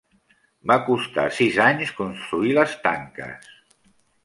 Va costar sis anys construir les tanques.